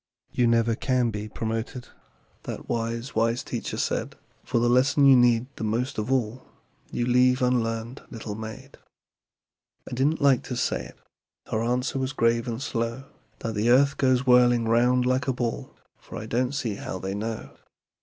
"You never can be promoted," That wise, wise teacher said, "For the lesson you need the most of all You leave unlearned, little maid." "I didn't like to say it" Her answer was grave, and slow "That the earth goes whirling 'round like a ball, For I don't see how they know.